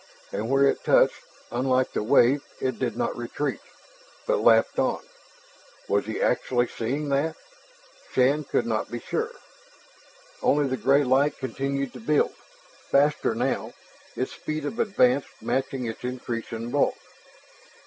And where it touched, unlike the wave, it did not retreat, but lapped on. Was he actually seeing that? Shann could not be sure. Only the gray light continued to build, faster now, its speed of advance matching its increase in bulk.